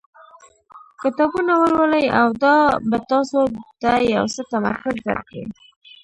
کتابونه ولولئ او دا به تاسو ته یو څه تمرکز درکړي.